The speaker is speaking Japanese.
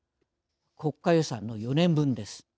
国家予算の４年分です。